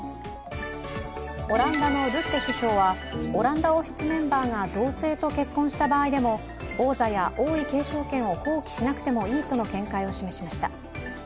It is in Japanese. オランダのルッテ首相はオランダ王室メンバーが同性と結婚した場合にも王座や王位継承権を放棄しなくてもいいとの見解を示しました。